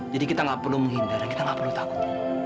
jadi kita nggak perlu menghindari kita nggak perlu takut